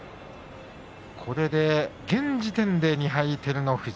これで現時点で２敗、照ノ富士。